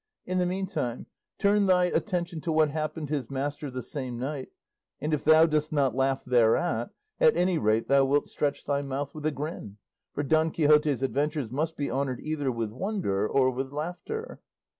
In the meantime turn thy attention to what happened his master the same night, and if thou dost not laugh thereat, at any rate thou wilt stretch thy mouth with a grin; for Don Quixote's adventures must be honoured either with wonder or with laughter.